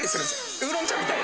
ウーロン茶みたいな。